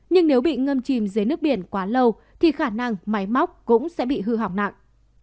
nhưng nếu bị ngâm chìm dưới nước biển quá lâu thì khả năng máy móc cũng sẽ bị hư hỏng nặng